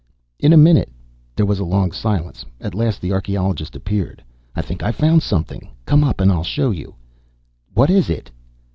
"In a minute." There was a long silence. At last the archeologist appeared. "I think I've found something. Come up and I'll show you." "What is it?"